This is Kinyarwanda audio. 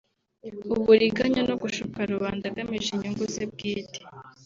uburiganya no gushuka rubanda agamije inyungu ze bwite